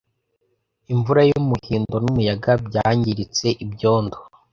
Imvura yumuhindo numuyaga, byangiritse, ibyondo,